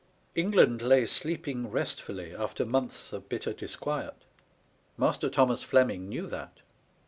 England lay sleeping restfully after months of bitter disquiet. Master Thomas Fleming knew that.